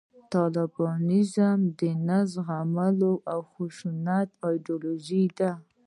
طالبانیزم د نه زغملو او د خشونت ایدیالوژي ده